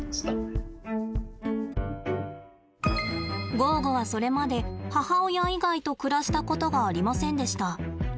ゴーゴはそれまで母親以外と暮らしたことがありませんでした。